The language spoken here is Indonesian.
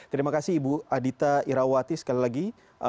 terima kasih ibu adita irawati sekali lagi